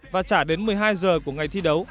và trả đến một mươi hai giờ của ngày thi đấu